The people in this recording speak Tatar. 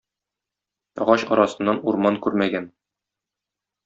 Агач арасыннан урман күрмәгән.